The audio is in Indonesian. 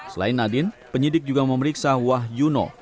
selain nadine penyidik juga memeriksa wah yuno